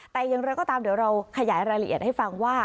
แต่อย่างไรก็ตามเดี๋ยวเราขยายรายละเอียดให้ฟังว่า